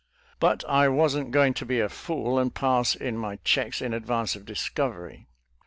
But I wasn't going to be a fool and pass in my checks in advance of discovery.